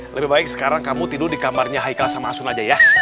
lebih baik sekarang kamu tidur di kamarnya haikal sama asun aja ya